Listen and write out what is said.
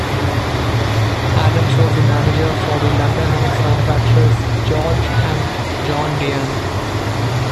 Adams was the manager for the London arms manufacturers George and John Deane.